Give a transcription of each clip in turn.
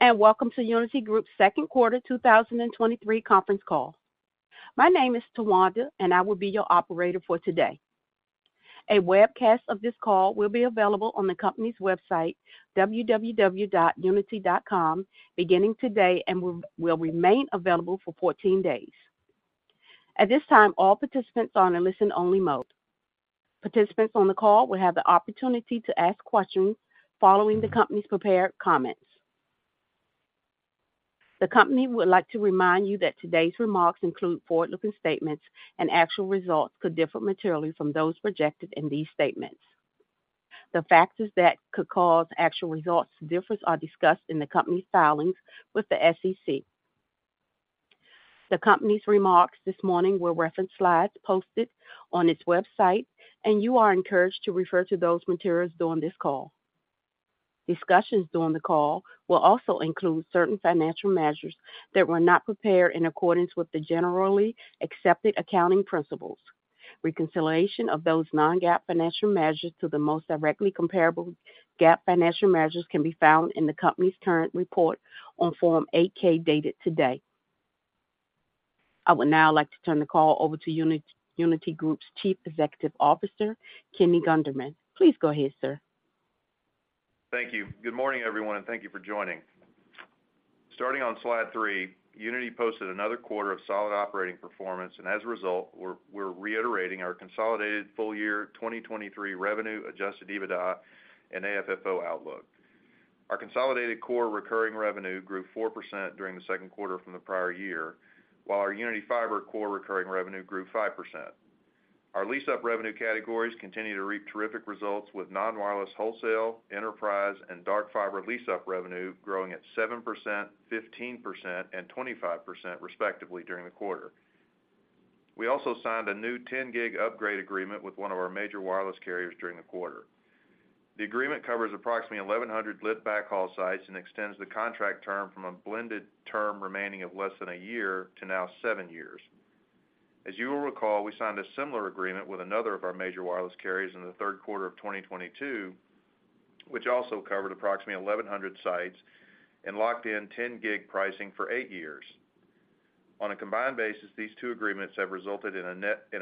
Hello and welcome to Uniti Group's Q2 2023 conference call. My name is Tawanda, I will be your operator for today. A webcast of this call will be available on the company's website, www.uniti.com, beginning today, will remain available for 14 days. At this time, all participants are in a listen-only mode. Participants on the call will have the opportunity to ask questions following the company's prepared comments. The company would like to remind you that today's remarks include forward-looking statements, actual results could differ materially from those projected in these statements. The factors that could cause actual results to differ are discussed in the company's filings with the SEC. The company's remarks this morning will reference slides posted on its website, you are encouraged to refer to those materials during this call. Discussions during the call will also include certain financial measures that were not prepared in accordance with the generally accepted accounting principles. Reconciliation of those non-GAAP financial measures to the most directly comparable GAAP financial measures can be found in the company's current report on Form 8-K, dated today. I would now like to turn the call over to Uniti, Uniti Group's Chief Executive Officer, Kenny Gunderman. Please go ahead, sir. Thank you. Good morning, everyone, and thank you for joining. Starting on slide three, Uniti posted another quarter of solid operating performance. As a result, we're reiterating our consolidated full year 2023 revenue, adjusted EBITDA and AFFO outlook. Our consolidated core recurring revenue grew 4% during the Q2 from the prior year, while our Uniti Fiber core recurring revenue grew 5%. Our lease-up revenue categories continue to reap terrific results with non-wireless wholesale, enterprise, and dark fiber lease-up revenue growing at 7%, 15%, and 25%, respectively, during the quarter. We also signed a new 10-gig upgrade agreement with one of our major wireless carriers during the quarter. The agreement covers approximately 1,100 lit backhaul sites and extends the contract term from a blended term remaining of less than a year to now seven years. As you will recall, we signed a similar agreement with another of our major wireless carriers in the Q3 of 2022, which also covered approximately 1,100 sites and locked in 10-gig pricing for eight years. On a combined basis, these two agreements have resulted in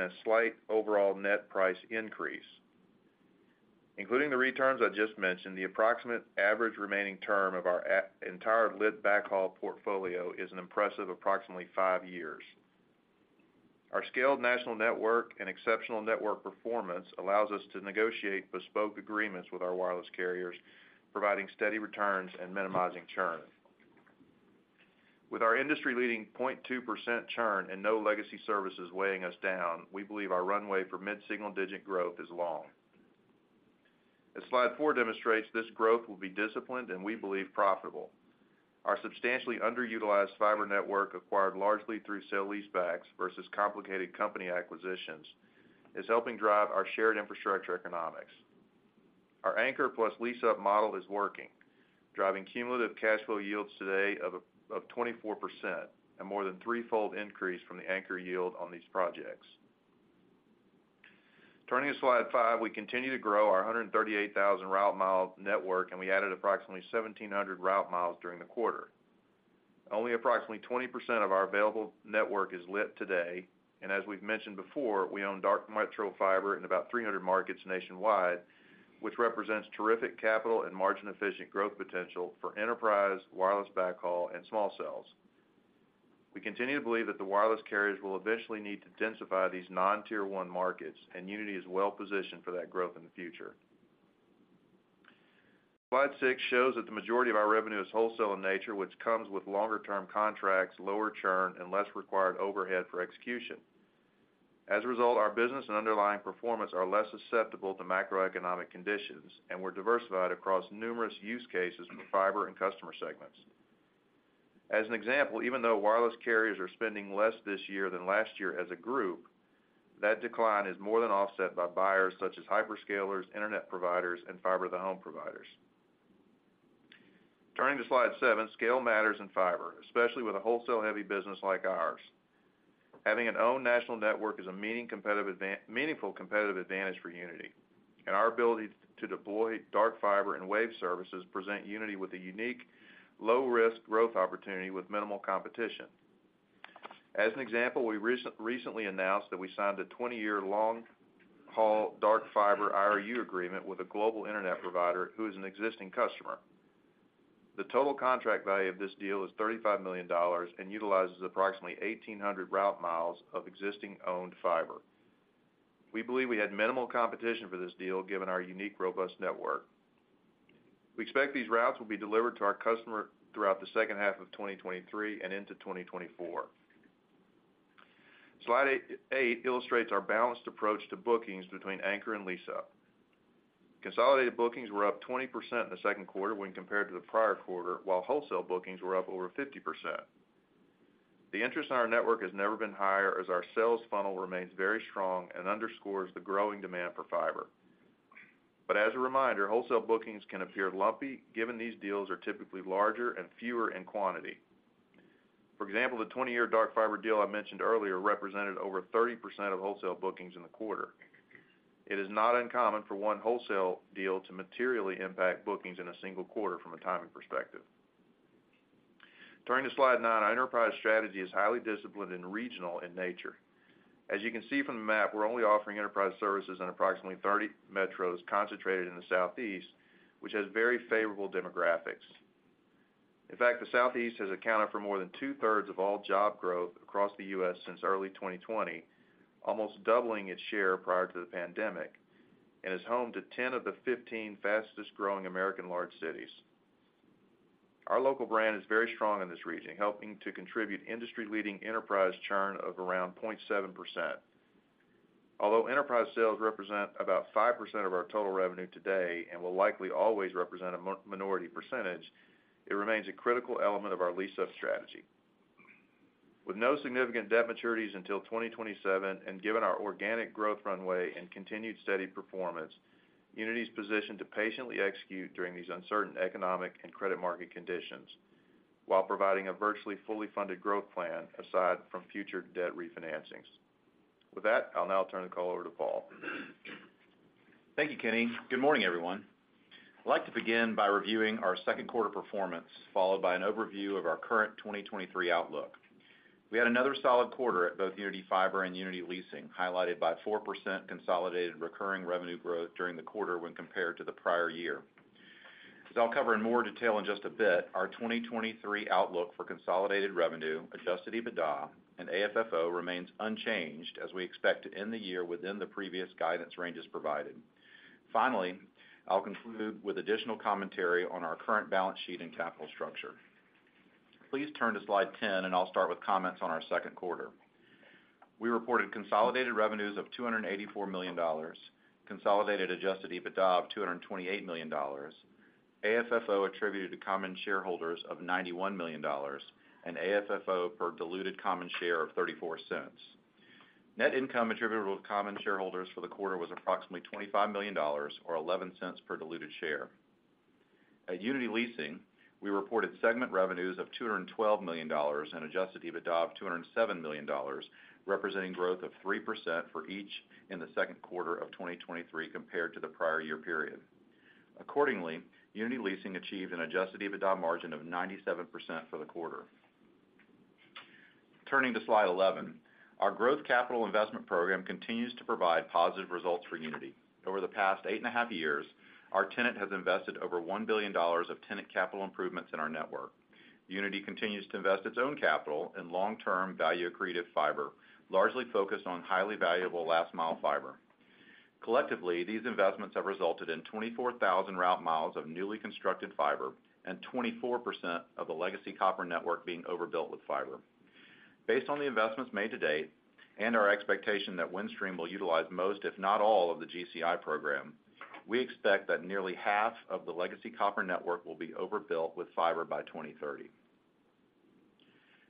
a slight overall net price increase. Including the returns I just mentioned, the approximate average remaining term of our entire lit backhaul portfolio is an impressive approximately five years. Our scaled national network and exceptional network performance allows us to negotiate bespoke agreements with our wireless carriers, providing steady returns and minimizing churn. With our industry-leading 0.2% churn and no legacy services weighing us down, we believe our runway for mid-single-digit growth is long. As slide four demonstrates, this growth will be disciplined and we believe profitable. Our substantially underutilized fiber network, acquired largely through sale-leaseback versus complicated company acquisitions, is helping drive our shared infrastructure economics. Our anchor plus lease-up model is working, driving cumulative cash flow yields today of 24% and more than threefold increase from the anchor yield on these projects. Turning to slide five, we continue to grow our 138,000 route mile network, and we added approximately 1,700 route miles during the quarter. Only approximately 20% of our available network is lit today, and as we've mentioned before, we own dark metro fiber in about 300 markets nationwide, which represents terrific capital and margin-efficient growth potential for enterprise, wireless backhaul, and small cells. We continue to believe that the wireless carriers will eventually need to densify these non-Tier I markets, and Uniti is well positioned for that growth in the future. Slide six shows that the majority of our revenue is wholesale in nature, which comes with longer-term contracts, lower churn, and less required overhead for execution. As a result, our business and underlying performance are less susceptible to macroeconomic conditions, and we're diversified across numerous use cases for fiber and customer segments. As an example, even though wireless carriers are spending less this year than last year as a group, that decline is more than offset by buyers such as hyperscalers, internet providers, and fiber-to-the-home providers. Turning to slide seven, scale matters in fiber, especially with a wholesale-heavy business like ours. Having an owned national network is a meaningful competitive advantage for Uniti, and our ability to deploy dark fiber and wave services present Uniti with a unique, low-risk growth opportunity with minimal competition. As an example, we recently announced that we signed a 20-year long-haul dark fiber IRU agreement with a global internet provider who is an existing customer. The total contract value of this deal is $35 million and utilizes approximately 1,800 route miles of existing owned fiber. We believe we had minimal competition for this deal, given our unique, robust network. We expect these routes will be delivered to our customer throughout the second half of 2023 and into 2024. Slide eight illustrates our balanced approach to bookings between anchor and lease-up. Consolidated bookings were up 20% in the Q2 when compared to the prior quarter, while wholesale bookings were up over 50%. The interest in our network has never been higher, as our sales funnel remains very strong and underscores the growing demand for fiber. As a reminder, wholesale bookings can appear lumpy, given these deals are typically larger and fewer in quantity. For example, the 20-year dark fiber deal I mentioned earlier represented over 30% of wholesale bookings in the quarter. It is not uncommon for one wholesale deal to materially impact bookings in a single quarter from a timing perspective. Turning to Slide nine, our enterprise strategy is highly disciplined and regional in nature. As you can see from the map, we're only offering enterprise services in approximately 30 metros concentrated in the Southeast, which has very favorable demographics. In fact, the Southeast has accounted for more than 2/3 of all job growth across the U.S. since early 2020, almost doubling its share prior to the pandemic, and is home to 10 of the 15 fastest growing American large cities. Our local brand is very strong in this region, helping to contribute industry-leading enterprise churn of around 0.7%. Although enterprise sales represent about 5% of our total revenue today, and will likely always represent a minority percentage, it remains a critical element of our lease-up strategy. With no significant debt maturities until 2027, and given our organic growth runway and continued steady performance, Uniti is positioned to patiently execute during these uncertain economic and credit market conditions, while providing a virtually fully funded growth plan aside from future debt refinancings. With that, I'll now turn the call over to Paul. Thank you, Kenny. Good morning, everyone. I'd like to begin by reviewing our Q2 performance, followed by an overview of our current 2023 outlook. We had another solid quarter at both Uniti Fiber and Uniti Leasing, highlighted by 4% consolidated recurring revenue growth during the quarter when compared to the prior year. As I'll cover in more detail in just a bit, our 2023 outlook for consolidated revenue, adjusted EBITDA and AFFO remains unchanged as we expect to end the year within the previous guidance ranges provided. Finally, I'll conclude with additional commentary on our current balance sheet and capital structure. Please turn to slide 10, I'll start with comments on our Q2. We reported consolidated revenues of $284 million, consolidated adjusted EBITDA of $228 million, AFFO attributed to common shareholders of $91 million, and AFFO per diluted common share of $0.34. Net income attributable to common shareholders for the quarter was approximately $25 million or $0.11 per diluted share. At Uniti Leasing, we reported segment revenues of $212 million and adjusted EBITDA of $207 million, representing growth of 3% for each in the Q2 of 2023 compared to the prior year period. Accordingly, Uniti Leasing achieved an adjusted EBITDA margin of 97% for the quarter. Turning to Slide 11, our growth capital investment program continues to provide positive results for Uniti. Over the past 8.5 years, our tenant has invested over $1 billion of tenant capital improvements in our network. Uniti continues to invest its own capital in long-term, value-accretive fiber, largely focused on highly valuable last-mile fiber. Collectively, these investments have resulted in 24,000 route miles of newly constructed fiber and 24% of the legacy copper network being overbuilt with fiber. Based on the investments made to date, and our expectation that Windstream will utilize most, if not all, of the GCI program, we expect that nearly half of the legacy copper network will be overbuilt with fiber by 2030.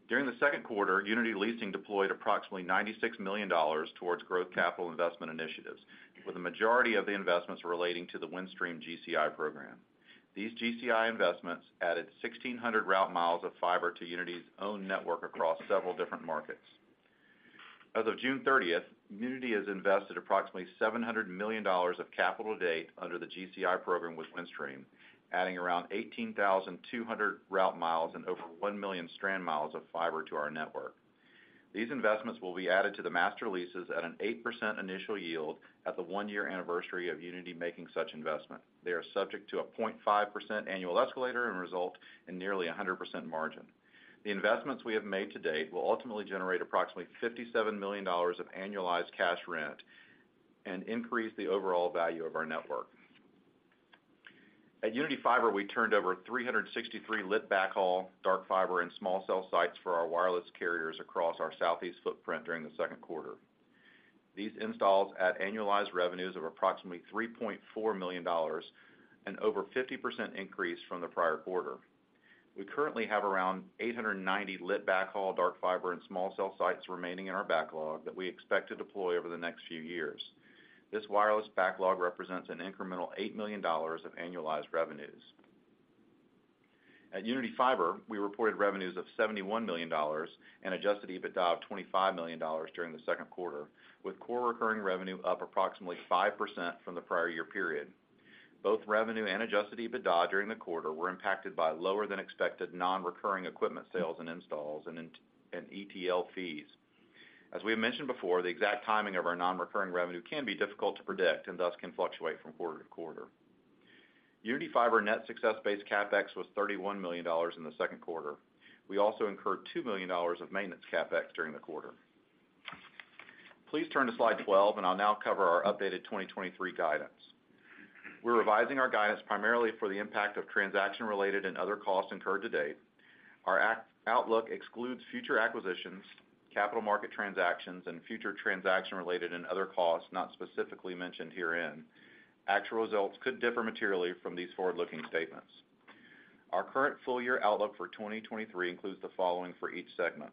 During the Q2, Uniti Leasing deployed approximately $96 million towards growth capital investment initiatives, with the majority of the investments relating to the Windstream GCI program. These GCI investments added 1,600 route miles of fiber to Uniti's own network across several different markets. As of June 30th, Uniti has invested approximately $700 million of capital to date under the GCI program with Windstream, adding around 18,200 route miles and over one million strand miles of fiber to our network. These investments will be added to the master leases at an 8% initial yield at the one year anniversary of Uniti making such investment. They are subject to a 0.5% annual escalator and result in nearly a 100% margin. The investments we have made to date will ultimately generate approximately $57 million of annualized cash rent and increase the overall value of our network. At Uniti Fiber, we turned over 363 lit backhaul, dark fiber, and small cell sites for our wireless carriers across our Southeast footprint during the Q2. These installs add annualized revenues of approximately $3.4 million, an over 50% increase from the prior quarter. We currently have around 890 lit backhaul, dark fiber, and small cell sites remaining in our backlog that we expect to deploy over the next few years. This wireless backlog represents an incremental $8 million of annualized revenues. At Uniti Fiber, we reported revenues of $71 million and adjusted EBITDA of $25 million during the Q2, with core recurring revenue up approximately 5% from the prior year period. Both revenue and adjusted EBITDA during the quarter were impacted by lower than expected non-recurring equipment sales and installs and ETL fees. As we have mentioned before, the exact timing of our non-recurring revenue can be difficult to predict and thus can fluctuate from quarter to quarter. Uniti Fiber net success-based CapEx was $31 million in the Q2. We also incurred $2 million of maintenance CapEx during the quarter. Please turn to slide 12, and I'll now cover our updated 2023 guidance. Our outlook excludes future acquisitions, capital market transactions, and future transaction-related and other costs not specifically mentioned herein. Actual results could differ materially from these forward-looking statements. Our current full year outlook for 2023 includes the following for each segment....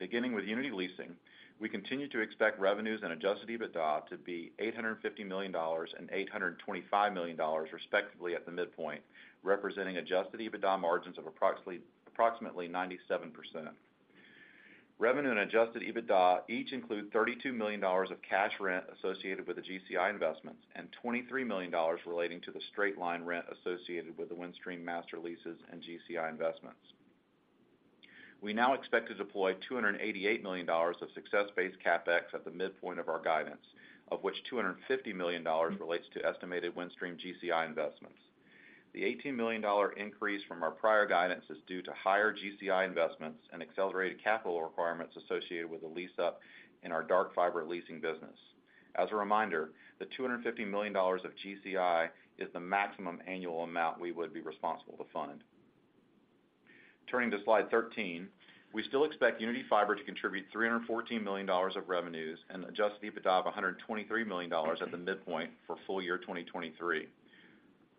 Beginning with Uniti Leasing, we continue to expect revenues and adjusted EBITDA to be $850 million and $825 million, respectively, at the midpoint, representing adjusted EBITDA margins of approximately 97%. Revenue and adjusted EBITDA each include $32 million of cash rent associated with the GCI investments and $23 million relating to the straight-line rent associated with the Windstream master leases and GCI investments. We now expect to deploy $288 million of success-based CapEx at the midpoint of our guidance, of which $250 million relates to estimated Windstream GCI investments. The $18 million increase from our prior guidance is due to higher GCI investments and accelerated capital requirements associated with the lease-up in our dark fiber leasing business. As a reminder, the $250 million of GCI is the maximum annual amount we would be responsible to fund. Turning to slide 13. We still expect Uniti Fiber to contribute $314 million of revenues and adjusted EBITDA of $123 million at the midpoint for full year 2023.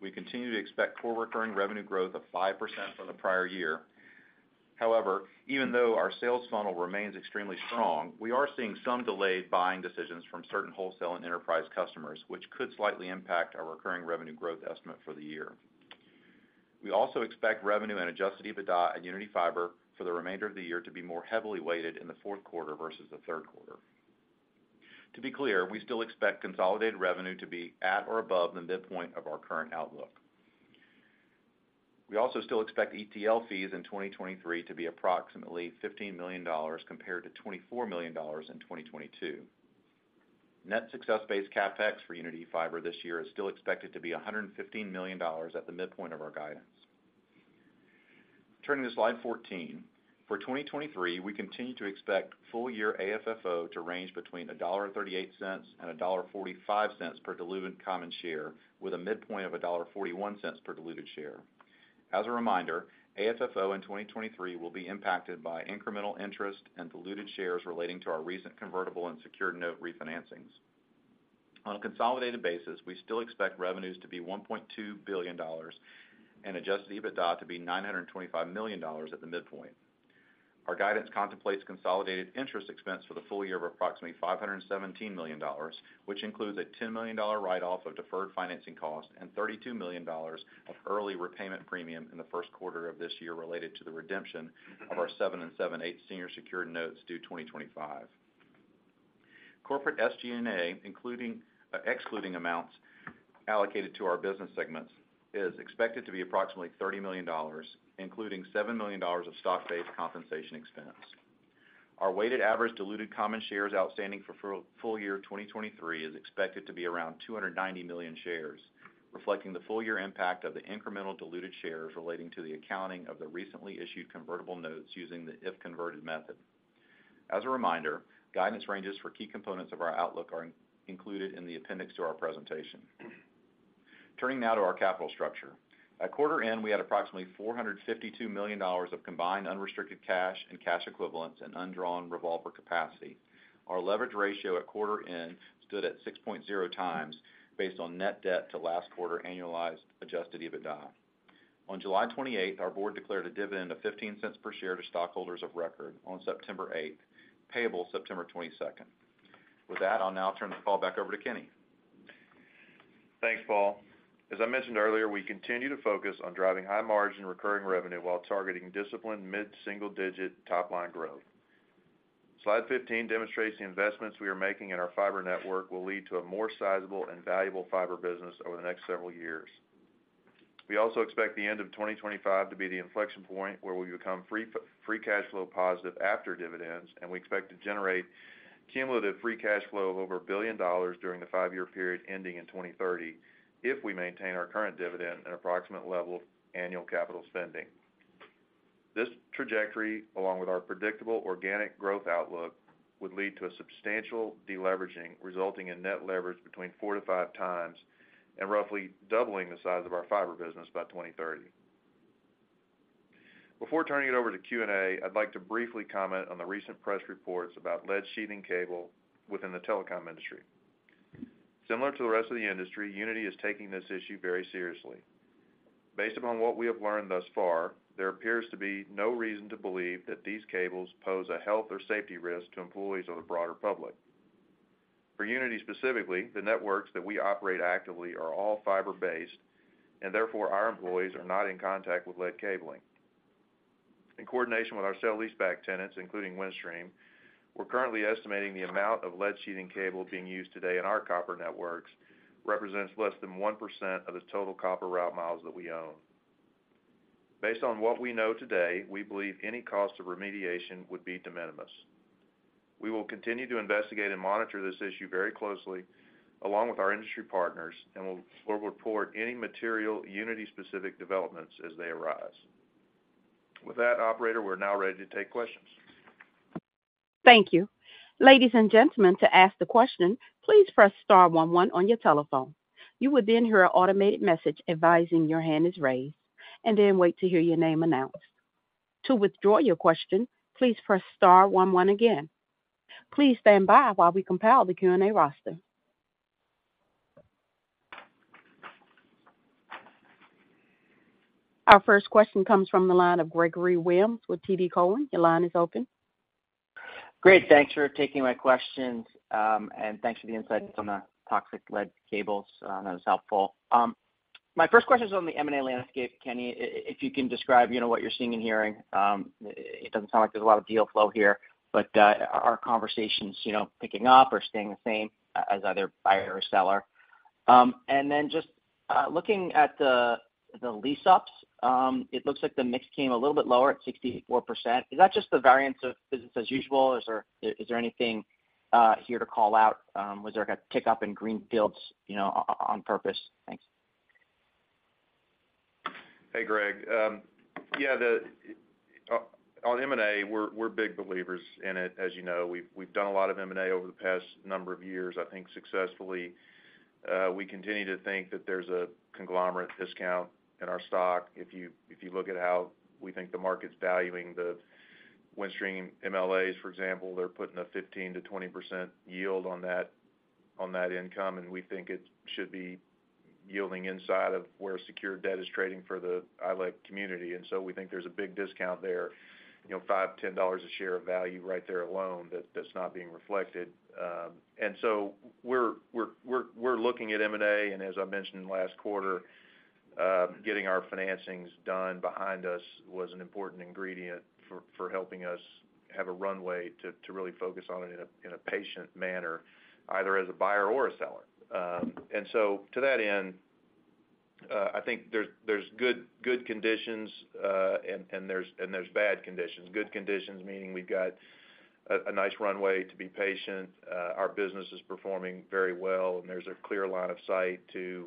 We continue to expect core recurring revenue growth of 5% from the prior year. However, even though our sales funnel remains extremely strong, we are seeing some delayed buying decisions from certain wholesale and enterprise customers, which could slightly impact our recurring revenue growth estimate for the year. We also expect revenue and adjusted EBITDA at Uniti Fiber for the remainder of the year to be more heavily weighted in the Q4 versus the Q3. To be clear, we still expect consolidated revenue to be at or above the midpoint of our current outlook. We also still expect ETL fees in 2023 to be approximately $15 million compared to $24 million in 2022. Net success-based CapEx for Uniti Fiber this year is still expected to be $115 million at the midpoint of our guidance. Turning to slide 14. For 2023, we continue to expect full year AFFO to range between $1.38 and $1.45 per diluted common share, with a midpoint of $1.41 per diluted share. As a reminder, AFFO in 2023 will be impacted by incremental interest and diluted shares relating to our recent convertible and secured note refinancings. On a consolidated basis, we still expect revenues to be $1.2 billion and adjusted EBITDA to be $925 million at the midpoint. Our guidance contemplates consolidated interest expense for the full year of approximately $517 million, which includes a $10 million write-off of deferred financing costs and $32 million of early repayment premium in the Q1 of this year related to the redemption of our 7.875% senior secured notes due 2025. Corporate SG&A, excluding amounts allocated to our business segments, is expected to be approximately $30 million, including $7 million of stock-based compensation expense. Our weighted average diluted common shares outstanding for full year 2023 is expected to be around 290 million shares, reflecting the full year impact of the incremental diluted shares relating to the accounting of the recently issued convertible notes using the if-converted method. As a reminder, guidance ranges for key components of our outlook are included in the appendix to our presentation. Turning now to our capital structure. At quarter end, we had approximately $452 million of combined unrestricted cash and cash equivalents and undrawn revolver capacity. Our leverage ratio at quarter end stood at 6.0 times based on net debt to last quarter annualized adjusted EBITDA. On July 28, our board declared a dividend of $0.15 per share to stockholders of record on September 8th, payable September 22nd. With that, I'll now turn the call back over to Kenny. Thanks, Paul. As I mentioned earlier, we continue to focus on driving high margin recurring revenue while targeting disciplined mid-single digit top-line growth. Slide 15 demonstrates the investments we are making in our fiber network will lead to a more sizable and valuable fiber business over the next several years. We also expect the end of 2025 to be the inflection point where we become free cash flow positive after dividends, and we expect to generate cumulative free cash flow of over $1 billion during the five-year period ending in 2030, if we maintain our current dividend and approximate level of annual capital spending. This trajectory, along with our predictable organic growth outlook, would lead to a substantial deleveraging, resulting in net leverage between 4-5x and roughly doubling the size of our fiber business by 2030. Before turning it over to Q&A, I'd like to briefly comment on the recent press reports about lead sheathing cable within the telecom industry. Similar to the rest of the industry, Uniti is taking this issue very seriously. Based upon what we have learned thus far, there appears to be no reason to believe that these cables pose a health or safety risk to employees or the broader public. For Uniti, specifically, the networks that we operate actively are all fiber-based, and therefore, our employees are not in contact with lead cabling. In coordination with our sale-leaseback tenants, including Windstream, we're currently estimating the amount of lead sheathing cable being used today in our copper networks represents less than 1% of the total copper route miles that we own. Based on what we know today, we believe any cost of remediation would be de minimis. We will continue to investigate and monitor this issue very closely, along with our industry partners, and we'll, we'll report any material Uniti-specific developments as they arise. With that, operator, we're now ready to take questions. Thank you. Ladies and gentlemen, to ask the question, please press star one one on your telephone. You will then hear an automated message advising your hand is raised, and then wait to hear your name announced. To withdraw your question, please press star one one again. Please stand by while we compile the Q&A roster. Our first question comes from the line of Gregory Williams with TD Cowen. Your line is open. Great, thanks for taking my questions, and thanks for the insights on the toxic lead cables. That was helpful. My first question is on the M&A landscape. Kenny, if you can describe, you know, what you're seeing and hearing. It doesn't sound like there's a lot of deal flow here, but are conversations, you know, picking up or staying the same as either buyer or seller? And then just looking at the lease-ups, it looks like the mix came a little bit lower at 64%. Is that just the variance of business as usual, or is there, is there anything here to call out? Was there a kick up in greenfields, you know, on purpose? Thanks. Hey, Greg. Yeah, the on M&A, we're, we're big believers in it. As you know, we've, we've done a lot of M&A over the past number of years, I think successfully. We continue to think that there's a conglomerate discount in our stock. If you, if you look at how we think the market's valuing the Windstream MLAs, for example, they're putting a 15%-20% yield on that, on that income, and we think it should be yielding inside of where secured debt is trading for the ILEC community. So we think there's a big discount there, you know, $5-$10 a share of value right there alone, that's not being reflected. And so we're, we're, we're, we're looking at M&A, and as I mentioned last quarter, getting our financings done behind us was an important ingredient for, for helping us have a runway to, to really focus on it in a, in a patient manner, either as a buyer or a seller. To that end, I think there's, there's good, good conditions, and, and there's, and there's bad conditions. Good conditions, meaning we've got a, a nice runway to be patient, our business is performing very well, and there's a clear line of sight to,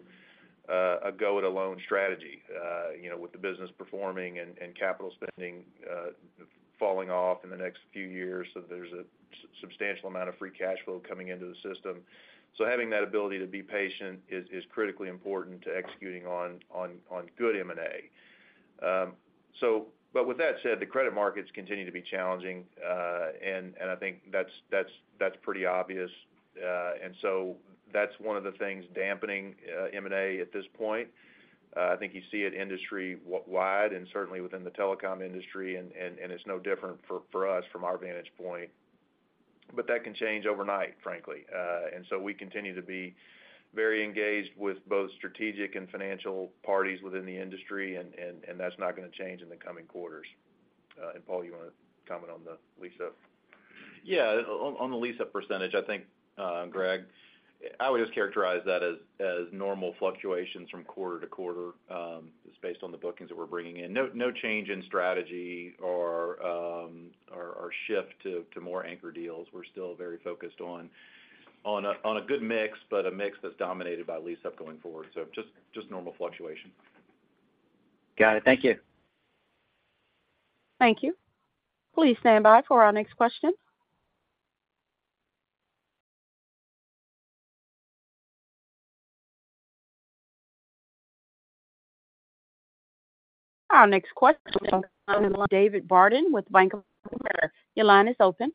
a go-it-alone strategy. You know, with the business performing and, and capital spending, falling off in the next few years, so there's a substantial amount of free cash flow coming into the system. So having that ability to be patient is, is critically important to executing on, on, on good M&A. With that said, the credit markets continue to be challenging, and, and I think that's, that's, that's pretty obvious. That's one of the things dampening M&A at this point. I think you see it industry w-wide and certainly within the telecom industry, and, and, and it's no different for, for us from our vantage point. That can change overnight, frankly. We continue to be very engaged with both strategic and financial parties within the industry, and, and, and that's not gonna change in the coming quarters. Paul, you wanna comment on the lease-up? Yeah, on, on the lease-up percentage, I think, Greg, I would just characterize that as, as normal fluctuations from quarter-to-quarter, just based on the bookings that we're bringing in. No, no change in strategy or, or, or shift to, to more anchor deals. We're still very focused on, on a, on a good mix, but a mix that's dominated by lease-up going forward. Just, just normal fluctuation. Got it. Thank you. Thank you. Please stand by for our next question. Our next question comes from the line of David Barden with Bank of America. Your line is open.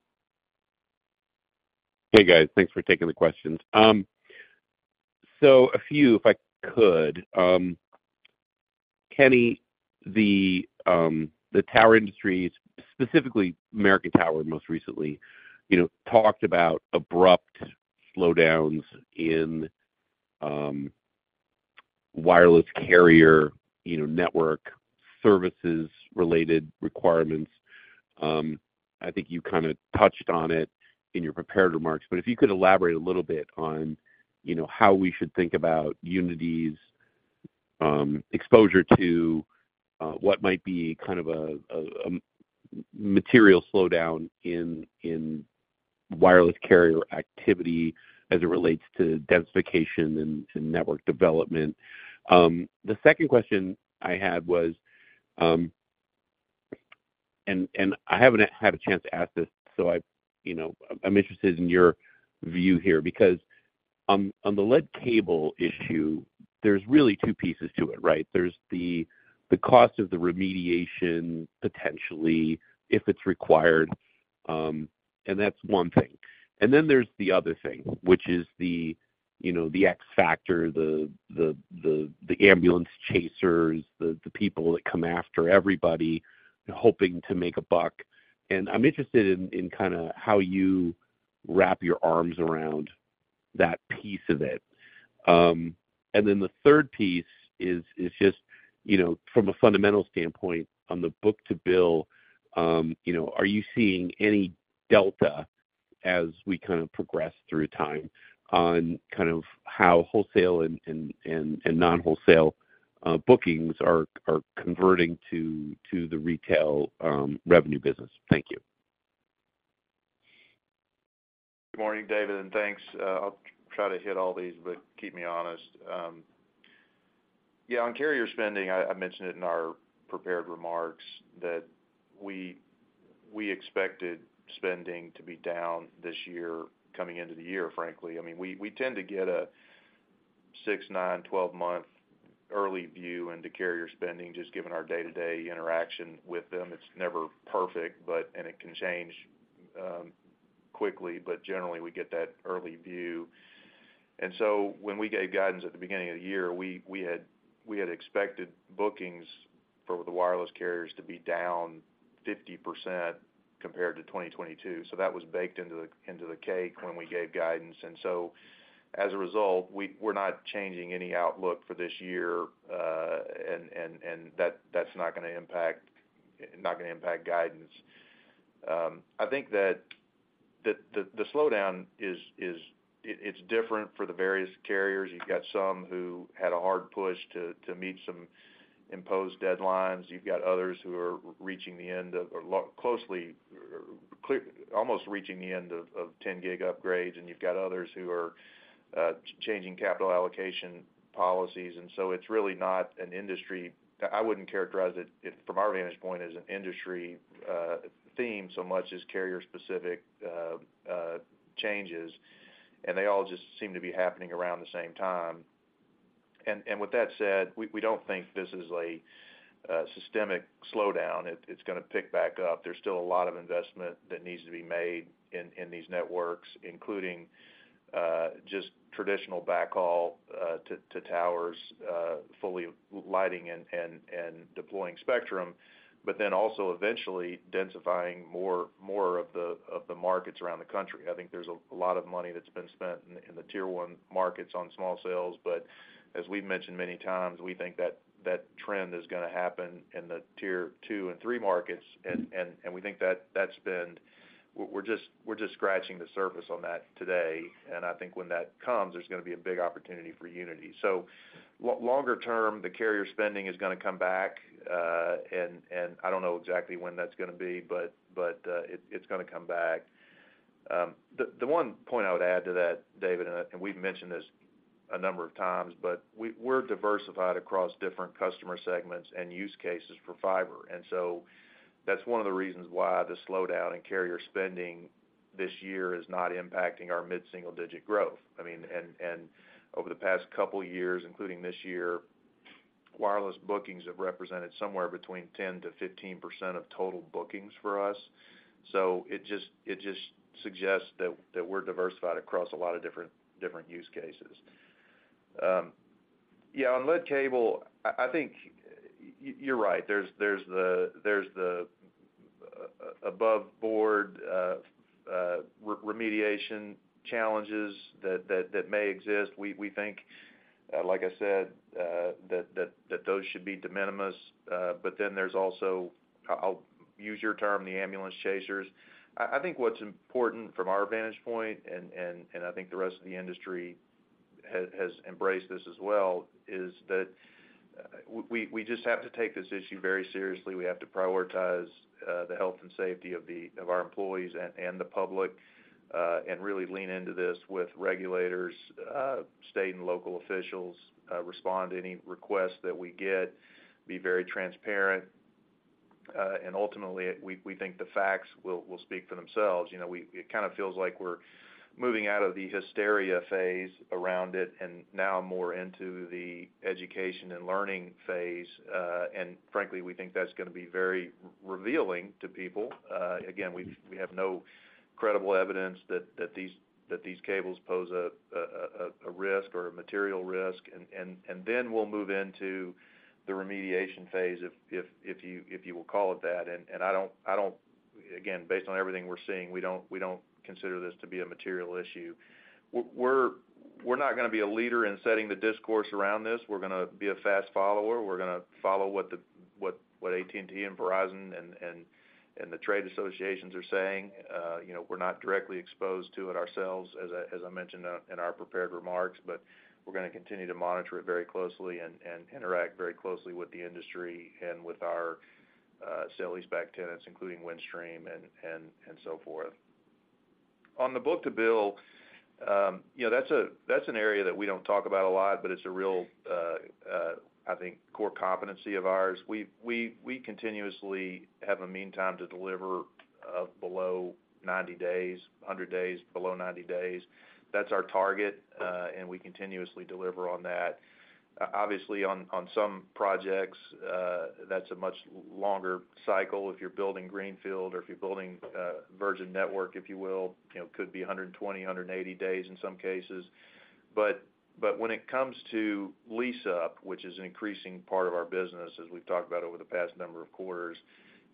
Hey, guys. Thanks for taking the questions. So, a few, if I could. Kenny, the tower industries, specifically American Tower, most recently, you know, talked about abrupt slowdowns in wireless carrier, you know, network services-related requirements. I think you kind of touched on it in your prepared remarks, but if you could elaborate a little bit on, you know, how we should think about Uniti's exposure to what might be kind of a material slowdown in wireless carrier activity as it relates to densification and to network development. The second question I had was, and I haven't had a chance to ask this, so I, you know, I'm interested in your view here, because on, on the lead cable issue, there's really two pieces to it, right? There's the, the cost of the remediation, potentially, if it's required, and that's one thing. Then there's the other thing, which is the, you know, the X factor, the, the, the, the ambulance chasers, the, the people that come after everybody hoping to make a buck. I'm interested in, in kind of how you wrap your arms around that piece of it. Then the third piece is, is just, you know, from a fundamental standpoint on the book-to-bill, you know, are you seeing any delta as we kind of progress through time on kind of how wholesale and, and, and, and non-wholesale, uh, bookings are, are converting to, to the retail, revenue business? Thank you. Good morning, David, and thanks. I'll try to hit all these, but keep me honest. On carrier spending, I, I mentioned it in our prepared remarks that we, we expected spending to be down this year, coming into the year, frankly. We, we tend to get a six, nine, 12-month early view into carrier spending, just given our day-to-day interaction with them. It's never perfect, but it can change quickly, but generally, we get that early view. When we gave guidance at the beginning of the year, we, we had, we had expected bookings for the wireless carriers to be down 50% compared to 2022. That was baked into the, into the cake when we gave guidance. And so as a result, we're not changing any outlook for this year, and that, that's not gonna impact, not gonna impact guidance. I think that the slowdown it's different for the various carriers. You've got some who had a hard push to meet some imposed deadlines. You've got others who are reaching the end of, or closely, or almost reaching the end of, of 10-gig upgrades, and you've got others who are changing capital allocation policies. So it's really not an industry... I wouldn't characterize it from our vantage point, as an industry theme, so much as carrier-specific changes, and they all just seem to be happening around the same time. With that said, we don't think this is a systemic slowdown. It's gonna pick back up. There's still a lot of investment that needs to be made in these networks, including just traditional backhaul to towers, fully lighting and deploying spectrum, but then also eventually densifying more of the markets around the country. I think there's a lot of money that's been spent in the Tier 1 markets on small cells, but as we've mentioned many times, we think that that trend is gonna happen in the Tier 2 and 3 markets, and we think that that's been... We're just scratching the surface on that today, and I think when that comes, there's gonna be a big opportunity for Uniti. So, longer term, the carrier spending is gonna come back, and, and I don't know exactly when that's gonna be, but, but, it, it's gonna come back. The, the one point I would add to that, David, and, and we've mentioned this a number of times, but we're diversified across different customer segments and use cases for fiber. That's one of the reasons why the slowdown in carrier spending this year is not impacting our mid-single-digit growth. I mean, and, and over the past couple years, including this year, wireless bookings have represented somewhere between 10%-15% of total bookings for us. It just, it just suggests that, that we're diversified across a lot of different, different use cases. Yeah, on lead cable, I, I think you're right. There's, there's the, there's the above board remediation challenges that, that, that may exist. We, we think, like I said, that, that, that those should be de minimis. But then, there's also, I'll use your term, the ambulance chasers. I, I think what's important from our vantage point, and, and, and I think the rest of the industry has, has embraced this as well, is that, we, we, we just have to take this issue very seriously. We have to prioritize, the health and safety of the, of our employees and, and the public, and really lean into this with regulators, state and local officials, respond to any requests that we get, be very transparent, and ultimately, we, we think the facts will, will speak for themselves. You know, it kind of feels like we're moving out of the hysteria phase around it and now more into the education and learning phase. Frankly, we think that's gonna be very revealing to people. Again, we have no credible evidence that these, that these cables pose a risk or a material risk, and then we'll move into the remediation phase, if you will call it that. I don't, again, based on everything we're seeing, we don't consider this to be a material issue. We're not gonna be a leader in setting the discourse around this. We're gonna be a fast follower. We're gonna follow what AT&T and Verizon and the trade associations are saying. You know, we're not directly exposed to it ourselves, as I, as I mentioned, in our prepared remarks, we're gonna continue to monitor it very closely and interact very closely with the industry and with our sale-leaseback tenants, including Windstream and so forth. On the book-to-bill, you know, that's an area that we don't talk about a lot, but it's a real, I think, core competency of ours. We continuously have a mean time to deliver below 90 days, 100 days, below 90 days. That's our target, and we continuously deliver on that. Obviously, on some projects, that's a much longer cycle. If you're building greenfield or if you're building a virgin network, if you will, you know, it could be 120, 180 days in some cases. When it comes to lease-up, which is an increasing part of our business, as we've talked about over the past number of quarters,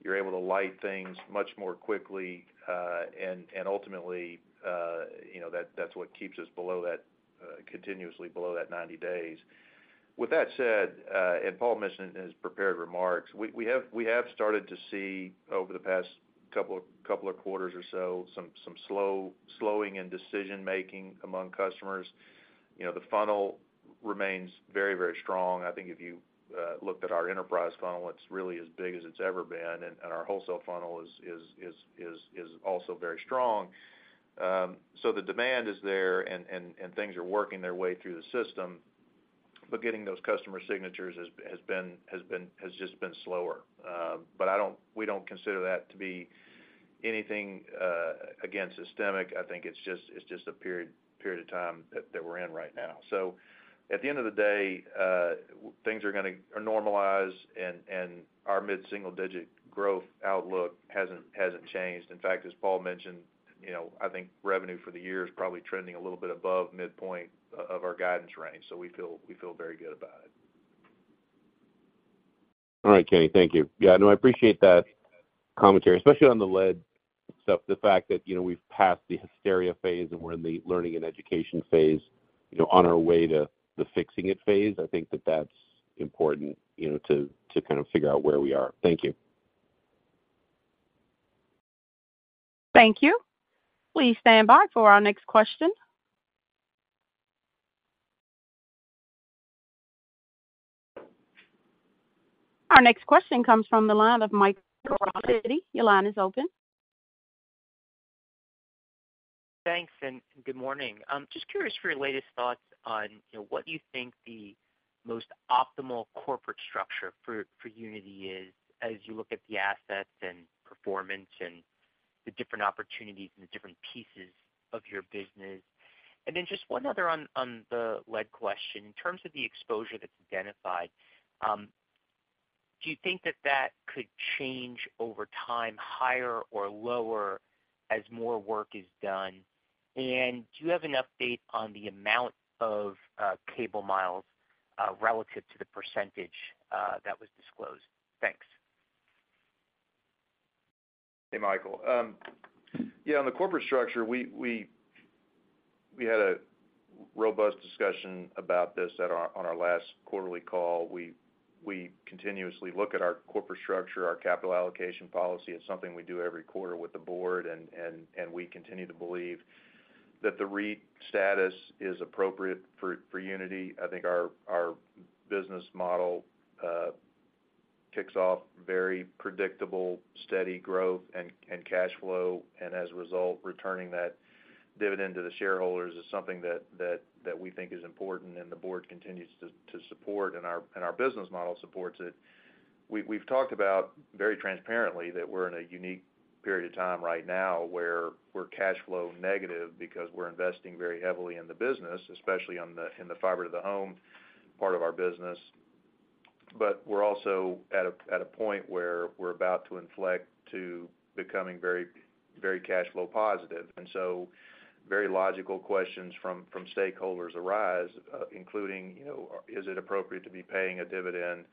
you're able to light things much more quickly, and ultimately, you know, that's what keeps us below that, continuously below that 90 days. With that said, and Paul mentioned in his prepared remarks, we, we have, we have started to see, over the past couple of, couple of quarters or so, some slowing in decision-making among customers. You know, the funnel remains very, very strong. I think if you looked at our enterprise funnel, it's really as big as it's ever been, and, and our wholesale funnel is, is, is, is, is also very strong. The demand is there and, and, and things are working their way through the system, but getting those customer signatures has, has been, has been, has just been slower. But I don't-- we don't consider that to be anything again, systemic. I think it's just, it's just a period, period of time that, that we're in right now. At the end of the day, things are gonna normalize, and, and our mid-single-digit growth outlook hasn't, hasn't changed. In fact, as Paul mentioned, you know, I think revenue for the year is probably trending a little bit above midpoint of our guidance range, so we feel, we feel very good about it. All right, Kenny, thank you. Yeah, no, I appreciate that commentary, especially on the lead stuff, the fact that, you know, we've passed the hysteria phase, and we're in the learning and education phase, you know, on our way to the fixing it phase. I think that that's important, you know, to, to kind of figure out where we are. Thank you. Thank you. Please stand by for our next question. Our next question comes from the line of Michael Rollins with Citi. Your line is open. Thanks and good morning. Just curious for your latest thoughts on, you know, what you think the most optimal corporate structure for, for Uniti is as you look at the assets and performance and the different opportunities and the different pieces of your business? Then just one other on, on the lead question. In terms of the exposure that's identified, do you think that that could change over time, higher or lower, as more work is done? Do you have an update on the amount of cable miles relative to the percentage that was disclosed? Thanks. Hey, Michael. Yeah, on the corporate structure, we, we, we had a robust discussion about this on our last quarterly call. We, we continuously look at our corporate structure, our capital allocation policy. It's something we do every quarter with the board, and, and, and we continue to believe that the REIT status is appropriate for, for Uniti. I think our, our business model ticks off very predictable, steady growth and, and cash flow, and as a result, returning that dividend to the shareholders is something that, that, that we think is important and the board continues to, to support, and our, and our business model supports it. We've, we've talked about very transparently that we're in a unique period of time right now, where we're cash flow negative because we're investing very heavily in the business, especially on the, in the fiber-to-the-home part of our business. We're also at a, at a point where we're about to inflect to becoming very, very cash flow positive. So very logical questions from, from stakeholders arise, including, you know, is it appropriate to be paying a dividend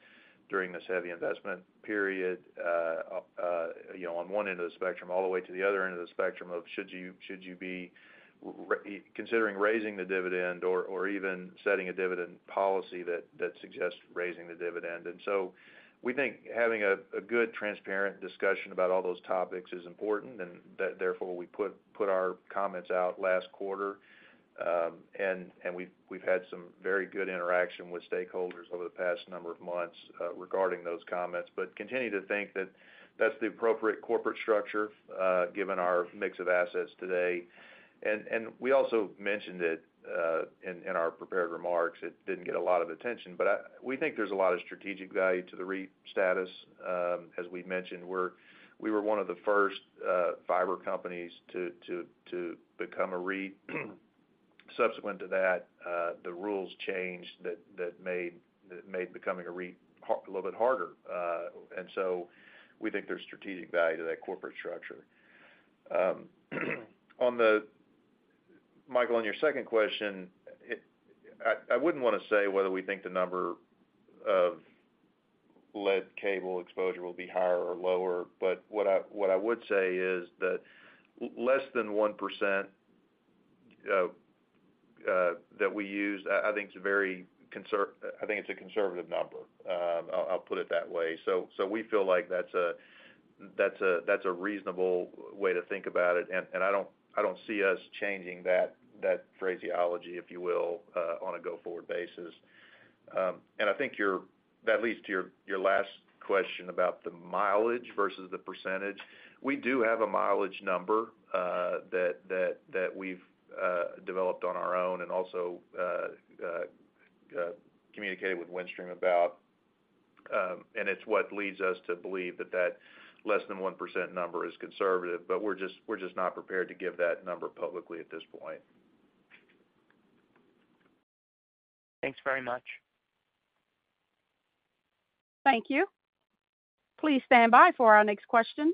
during this heavy investment period? You know, on one end of the spectrum, all the way to the other end of the spectrum of should you, should you be considering raising the dividend or, or even setting a dividend policy that, that suggests raising the dividend. And so, we think having a good, transparent discussion about all those topics is important, and that therefore, we put our comments out last quarter. We've had some very good interaction with stakeholders over the past number of months regarding those comments, but continue to think that that's the appropriate corporate structure given our mix of assets today. We also mentioned it in our prepared remarks. It didn't get a lot of attention, but we think there's a lot of strategic value to the REIT status. As we've mentioned, we were one of the first fiber companies to become a REIT. Subsequent to that, the rules changed that made becoming a REIT a little bit harder. And so, we think there's strategic value to that corporate structure. On the Michael, on your second question, I wouldn't want to say whether we think the number of lead cable exposure will be higher or lower. What I would say is that less than 1% that we use, I think, is a very conservative number. I'll put it that way. We feel like that's a reasonable way to think about it, and I don't see us changing that phraseology, if you will, on a go-forward basis. I think that leads to your last question about the mileage versus the percentage. We do have a mileage number, that we've developed on our own and also communicated with Windstream about. It's what leads us to believe that that less than 1% number is conservative, but we're just, we're just not prepared to give that number publicly at this point. Thanks very much. Thank you. Please stand by for our next question.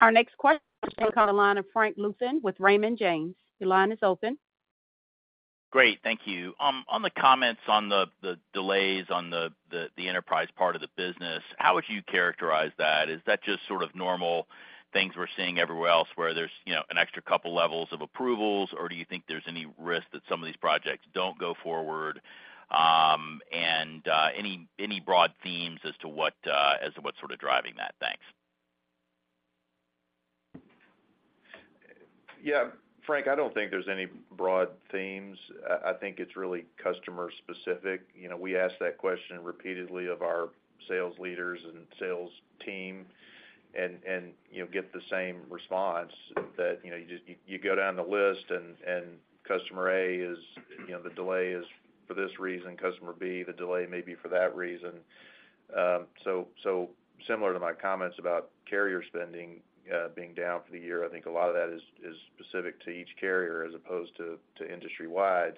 Our next question comes from the line of Frank Louthan with Raymond James. Your line is open. Great, thank you. On the comments on the, the delays on the, the, the enterprise part of the business, how would you characterize that? Is that just sort of normal things we're seeing everywhere else, where there's, you know, an extra couple levels of approvals, or do you think there's any risk that some of these projects don't go forward? Any, any broad themes as to what, as to what's sort of driving that? Thanks. Yeah, Frank, I don't think there's any broad themes. I think it's really customer specific. You know, we ask that question repeatedly of our sales leaders and sales team and, you know, get the same response that, you know, you just, you, you go down the list and customer A is, you know, the delay is for this reason, customer B, the delay may be for that reason. Similar to my comments about carrier spending, being down for the year, I think a lot of that is, is specific to each carrier as opposed to, to industry-wide.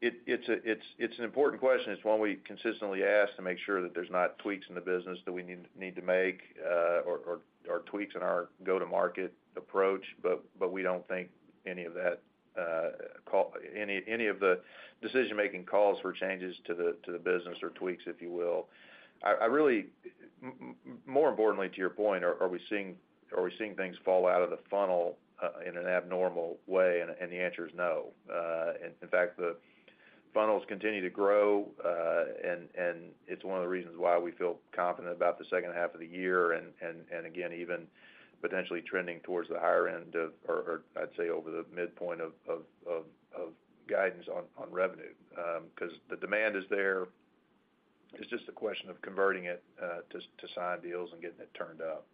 It's an important question. It's one we consistently ask to make sure that there's not tweaks in the business that we need to make, or tweaks in our go-to-market approach. But we don't think any of that, any of the decision-making calls for changes to the, to the business or tweaks, if you will. I, I really more importantly, to your point, are, are we seeing, are we seeing things fall out of the funnel in an abnormal way? And the answer is no. In fact, the funnels continue to grow, and, and it's one of the reasons why we feel confident about the second half of the year and, and, and again, even potentially trending towards the higher end of, or, or I'd say, over the midpoint of, of, of, of guidance on revenue. 'Cause the demand is there. It's just a question of converting it to, to sign deals and getting it turned up.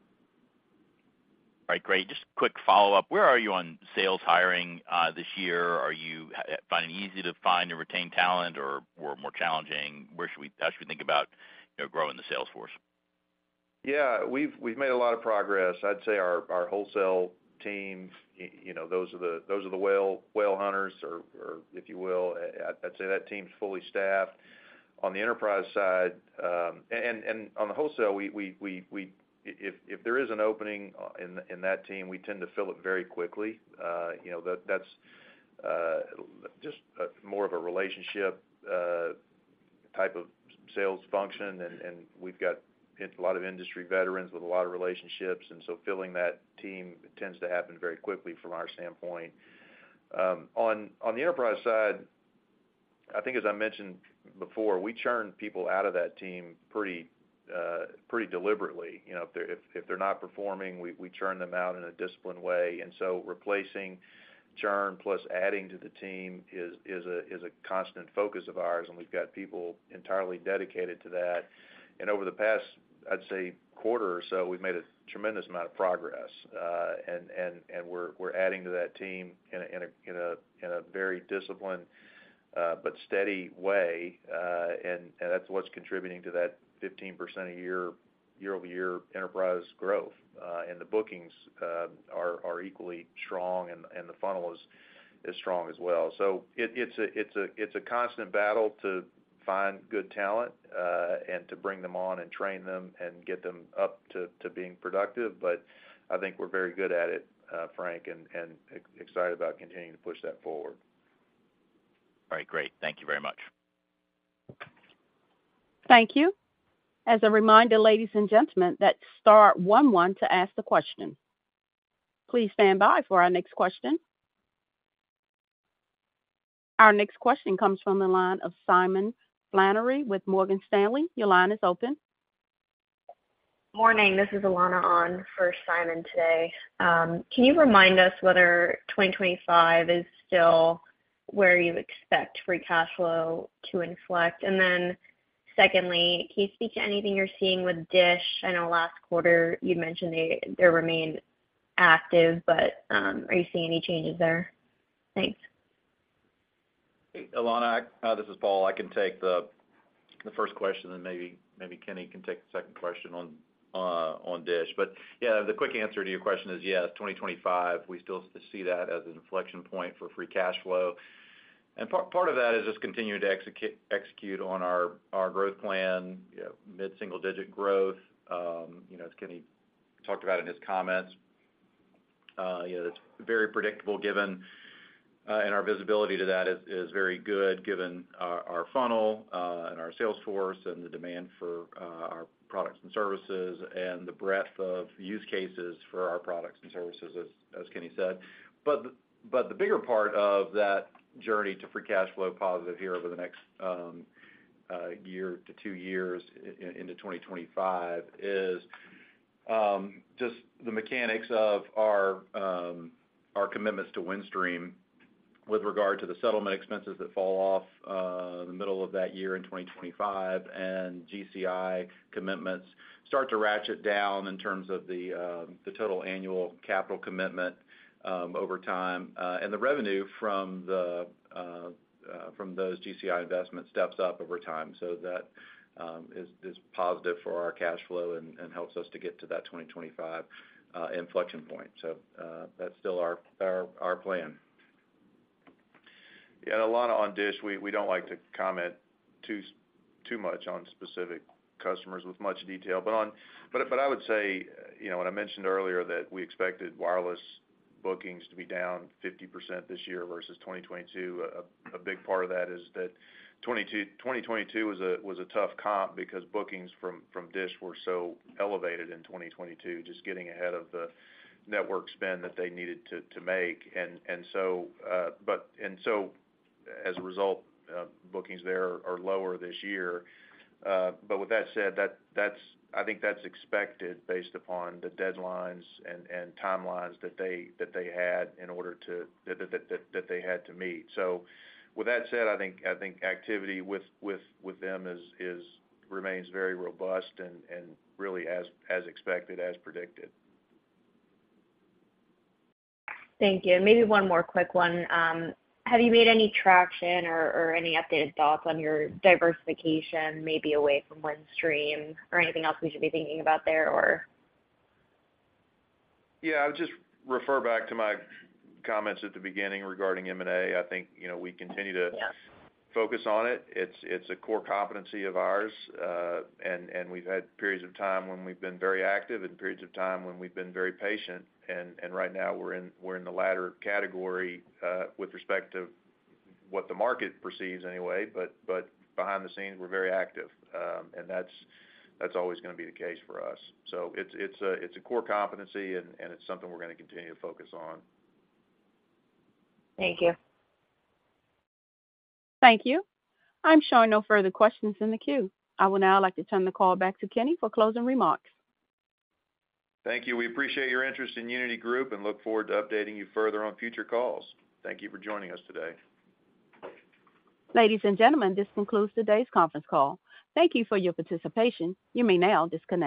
All right, great. Just quick follow-up. Where are you on sales hiring this year? Are you finding it easy to find and retain talent or more, more challenging? How should we think about, you know, growing the sales force? Yeah, we've, we've made a lot of progress. I'd say our, our wholesale team, you know, those are the, those are the whale, whale hunters or, or if you will, I'd say that team's fully staffed. On the enterprise side. On the wholesale, we if there is an opening in, in that team, we tend to fill it very quickly. You know, that's just more of a relationship type of sales function, and we've got a lot of industry veterans with a lot of relationships, and so filling that team tends to happen very quickly from our standpoint. On the enterprise side, I think as I mentioned before, we churn people out of that team pretty, pretty deliberately. You know, if they're, if, if they're not performing, we, we churn them out in a disciplined way. Replacing churn plus adding to the team is, is a, is a constant focus of ours, and we've got people entirely dedicated to that. Over the past, I'd say, quarter or so, we've made a tremendous amount of progress. And, and, and we're, we're adding to that team in a, in a, in a, in a very disciplined, but steady way, and, and that's what's contributing to that 15% a year, year-over-year enterprise growth. And the bookings, are, are equally strong, and, and the funnel is, is strong as well. It, it's a, it's a, it's a constant battle to find good talent, and to bring them on and train them and get them up to, to being productive. I think we're very good at it, Frank, and excited about continuing to push that forward. All right, great. Thank you very much. Thank you. As a reminder, ladies and gentlemen, that's star one one to ask the question. Please stand by for our next question. Our next question comes from the line of Simon Flannery with Morgan Stanley. Your line is open. Morning, this is Alana on for Simon today. Can you remind us whether 2025 is still where you expect free cash flow to inflect? Then secondly, can you speak to anything you're seeing with DISH? I know last quarter you mentioned they remained active, but are you seeing any changes there? Thanks. Alana, this is Paul. I can take the, the first question, and maybe, maybe Kenny can take the second question on Dish. But yeah, the quick answer to your question is, yes, 2025, we still see that as an inflection point for free cash flow. Part, part of that is just continuing to execute on our, our growth plan, mid-single-digit growth. you know, as Kenny talked about in his comments, you know, it's very predictable given, and our visibility to that is, is very good given our, our funnel, and our sales force and the demand for our products and services and the breadth of use cases for our products and services, as, as Kenny said. The bigger part of that journey to free cash flow positive here over the next year to two years into 2025, is just the mechanics of our commitments to Windstream with regard to the settlement expenses that fall off the middle of that year in 2025, and GCI commitments start to ratchet down in terms of the total annual capital commitment over time. The revenue from those GCI investments steps up over time. That is positive for our cash flow and helps us to get to that 2025 inflection point. That's still our plan. Yeah, Alana, on DISH, we, we don't like to comment too, too much on specific customers with much detail, but, but I would say, you know, when I mentioned earlier that we expected wireless bookings to be down 50% this year versus 2022, a big part of that is that 2022 was a, was a tough comp because bookings from, from DISH were so elevated in 2022, just getting ahead of the network spend that they needed to, to make. As a result, bookings there are lower this year. With that said, that's, I think that's expected based upon the deadlines and, and timelines that they, that they had in order to. That they had to meet. With that said, I think, I think activity with, with, with them is remains very robust and, and really as, as expected, as predicted. Thank you. Maybe one more quick one. Have you made any traction or, or any updated thoughts on your diversification, maybe away from Windstream or anything else we should be thinking about there, or? Yeah, I would just refer back to my comments at the beginning regarding M&A. I think, you know, we continue to-. Yeah ... focus on it. It's, it's a core competency of ours, and we've had periods of time when we've been very active and periods of time when we've been very patient. Right now we're in, we're in the latter category, with respect to what the market perceives anyway. Behind the scenes, we're very active, and that's, that's always going to be the case for us. It's, it's a, it's a core competency, and it's something we're going to continue to focus on. Thank you. Thank you. I'm showing no further questions in the queue. I would now like to turn the call back to Kenny for closing remarks. Thank you. We appreciate your interest in Uniti Group and look forward to updating you further on future calls. Thank you for joining us today. Ladies and gentlemen, this concludes today's conference call. Thank you for your participation. You may now disconnect.